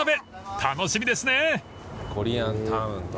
［楽しみですね］